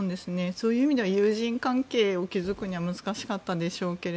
そういう意味では友人関係を築くには難しかったでしょうし。